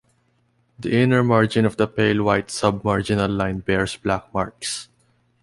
The inner margin of the pale white sub-marginal line bears black marks.